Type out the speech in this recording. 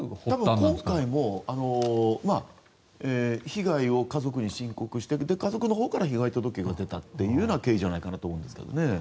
今回も被害を家族に申告して家族のほうから被害届が出たというような経緯じゃないかと思うんですよね。